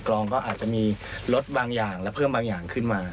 ลองก็อาจจะมีลดบางอย่างและเพิ่มบางอย่างขึ้นมา